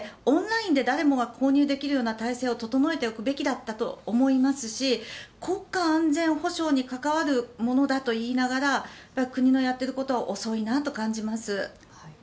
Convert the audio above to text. オンラインで誰もが購入できる体制を整えておくべきだったと思いますし国家安全保障に関わるものだといいながら国のやっていることは遅いなと感じます。